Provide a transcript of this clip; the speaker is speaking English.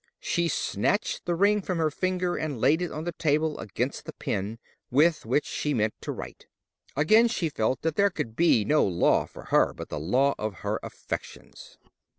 She snatched the ring from her finger and laid it on the table against the pen with which she meant to write. Again she felt that there could be no law for her but the law of her affections.